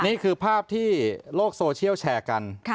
นี่คือภาพที่โลกโซเชียลแชร์กัน